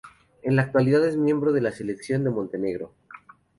En la actualidad es miembro de la selección de Montenegro.